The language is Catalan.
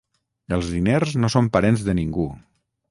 Els diners no són parents de ningú.